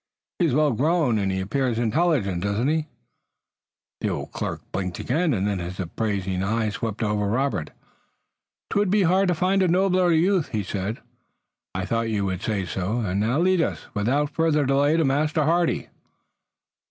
He is well grown and he appears intelligent, does he not?" The old clerk blinked again, and then his appraising eyes swept over Robert. "'Twould be hard to find a nobler youth," he said. "I thought you would say so, and now lead us, without further delay, to Master Hardy."